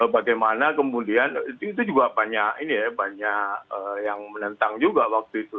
bagaimana kemudian itu juga banyak yang menentang juga waktu itu